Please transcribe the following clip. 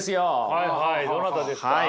はいはいどなたですか？